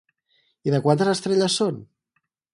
I de quantes estrelles son?